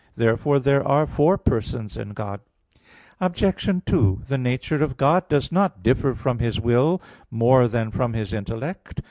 Therefore there are four persons in God. Obj. 2: The nature of God does not differ from His will more than from His intellect.